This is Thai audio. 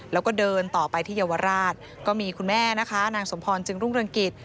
แล้วก็เดินต่อไปที่เยาวราชก็มีคุณแม่นะคะนางสมพรจึงรุ่งเรืองกิจ